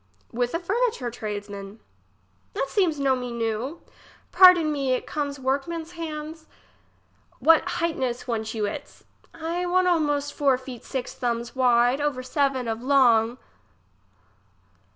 fTith a furniture tradesman. It seems no me new. Pardon me, it comes workman's hands. Which hightness want you its ? I want almost four feet six thumbs wide's, over seven of long.